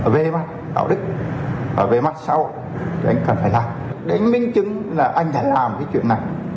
về mặt đạo đức về mặt sao thì anh cần phải làm để anh minh chứng là anh đã làm cái chuyện này